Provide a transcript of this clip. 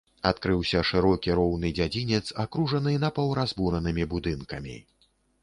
Адкрыўся шырокі, роўны дзядзінец, акружаны напаўразбуранымі будынкамі.